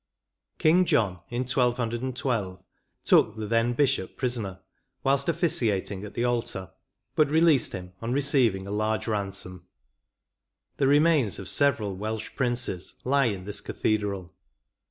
King John, in 1212, took the then bishop prisoner, whilst officiating at the altar, but released him on receiving a large ransom. The remains of several Welsh princes lie in this cathedral.